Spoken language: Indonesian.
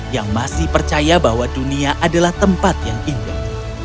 yang masih percaya bahwa dunia adalah tempat yang indah